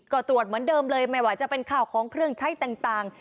ก็ตรวจเหมือนเดิมเลยไม่ว่าจะเป็นข้าวของเครื่องใช้ต่าง